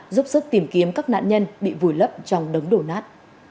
giúp sức tìm kiếm các nạn nhân bị vùi lấp trong đống đổ nát